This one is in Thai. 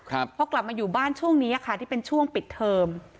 พอกลับมาอยู่บ้านช่วงนี้ค่ะที่เป็นช่วงปิดเทอม